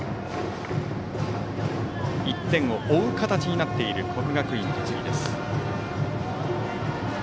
１点を追う形になっている国学院栃木。